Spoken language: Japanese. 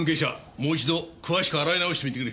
もう一度詳しく洗い直してみてくれ。